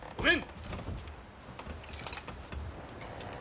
うん！